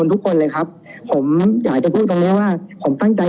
คนทุกคนครับผมอยากจะพูดขนาดนี้